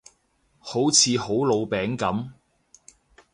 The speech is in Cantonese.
好似好老餅噉